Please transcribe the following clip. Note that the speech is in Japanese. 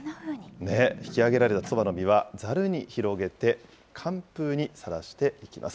引き上げられたそばの実は、ざるに広げて、寒風にさらしていきます。